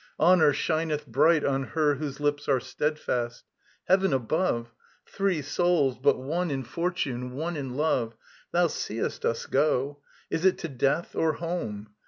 Honour shineth bright On her whose lips are steadfast ... Heaven above! Three souls, but one in fortune, one in love, Thou seest us go is it to death or home?